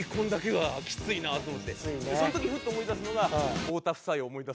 その時フッと思い出すのが。